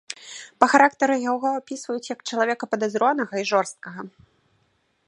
Па характары яго апісваюць як чалавека падазронага і жорсткага.